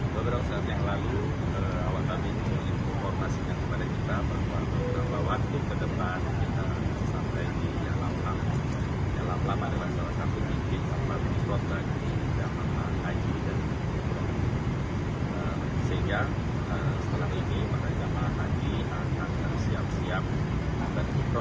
beberapa saat yang lalu awal awal ini informasinya kepada kita